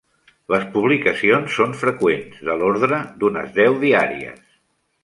Les publicacions són freqüents, de l'ordre d'unes deu diàries.